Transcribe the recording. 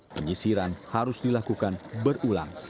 penyisiran harus dilakukan berulang